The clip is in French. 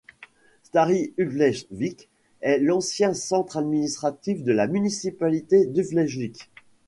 Stari Ugljevik est l'ancien centre administratif de la municipalité d'Ugljevik.